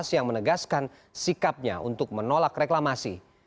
yang menegaskan sikapnya untuk menolak reklamasi